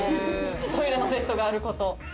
トイレのセットがあること。